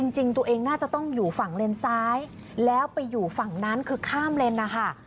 จริงตัวเองน่าจะต้องอยู่ฝั่งเลนซ้ายแล้วไปอยู่ฝั่งนั้นคือข้ามเลนนะคะ